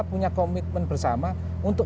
punya komitmen bersama untuk